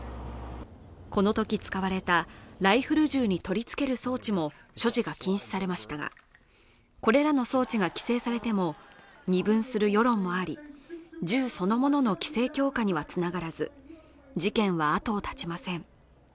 このとき使われたライフル銃に取り付ける装置も所持が禁止されましたがこれらの装置が規制されても二分する世論もあり銃そのものの規制強化にはつながらず事件はあとを絶ちません